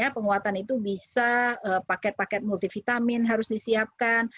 penguatan itu bisa paket paket multivitamin harus disiapkan